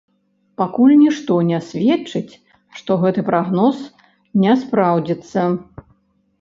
Пакуль нішто не сведчыць, што гэты прагноз не спраўдзіцца.